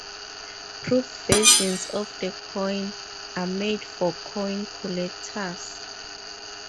Proof versions of the coins are made for coin collectors.